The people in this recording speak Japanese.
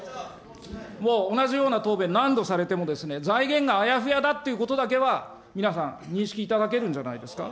もう同じような答弁何度されても、財源があやふやだっていうことだけは、皆さん、認識いただけるんじゃないですか。